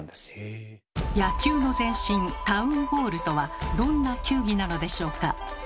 野球の前身タウン・ボールとはどんな球技なのでしょうか？